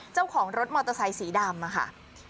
เจ้าของรถมอเตอร์ไซสีดำค่ะ